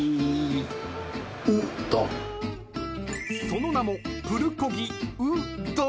［その名も］